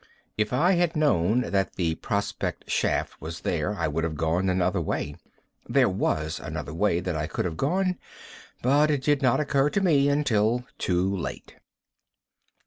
If I had known that the prospect shaft was there, I would have gone another way. There was another way that I could have gone, but it did not occur to me until too late.